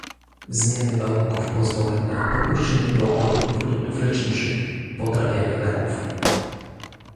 Zmiany warunków pozwoleń na dopuszczenie do obrotu produktów leczniczych - Podrabianie leków